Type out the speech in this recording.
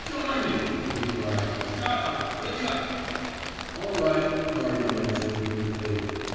*' Dam you," he cried. *' Shut up, will yuhf "All right," Corrigan answered, meekly.